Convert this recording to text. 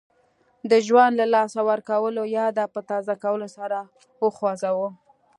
د ژوند له لاسه ورکولو یاد په تازه کولو سر وخوځاوه.